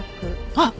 あっ！